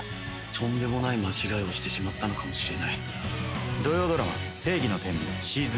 とんでもない間違いをしてしまったのかもしれない。